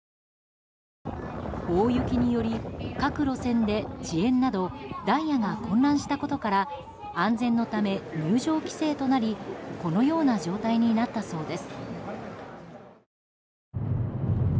大雪により各路線で遅延などダイヤが混乱したことから安全のため入場規制となりこのような状態になったそうです。